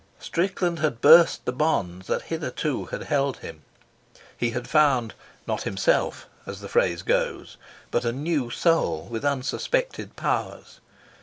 Strickland had burst the bonds that hitherto had held him. He had found, not himself, as the phrase goes, but a new soul with unsuspected powers.